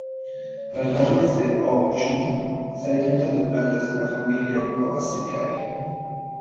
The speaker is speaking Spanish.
Las larvas de "O. yuma" se alimentan de plantas de la familia "Poaceae".